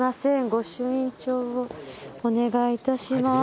御朱印帳をお願い致します。